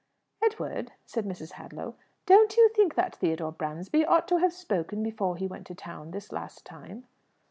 "Edward," said Mrs. Hadlow, "don't you think that Theodore Barnsby ought to have spoken before he went to town this last time?"